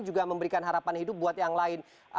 juga memberikan harapan hidup buat yang lain